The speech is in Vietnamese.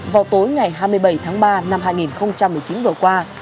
vào tối ngày hai mươi bảy tháng ba năm hai nghìn một mươi chín vừa qua